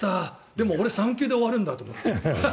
でも、俺３球で終わるんだと思って。